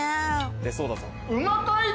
出そうだぞ。